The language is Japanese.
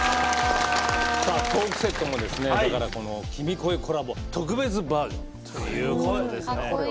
さあトークセットもですねだからこの「君声」コラボ特別バージョンということですね。